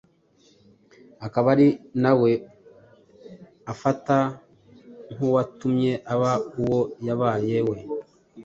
akaba ari nawe afata nk’uwatumye aba uwo yabaye we.